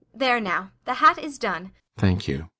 There now! The hat is done. ALLMERS. Thank you.